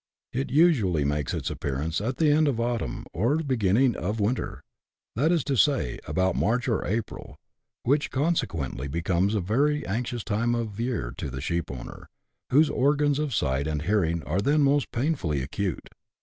It usually makes its appearance at the end of autumn or beginning of winter — that is to say, about March or April — which conse quently becomes a very anxious time of year to the sheep owner, whose organs of sight and hearing are then most painfully acute.